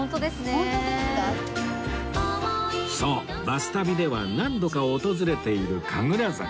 『バス旅』では何度か訪れている神楽坂